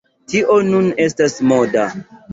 Tio nun estas moda.